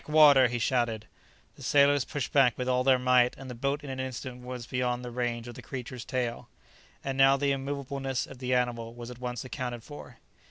"Backwater!" he shouted. The sailors pushed back with all their might, and the boat in an instant was beyond the range of the creature's tail. And now the immoveableness of the animal was at once accounted for.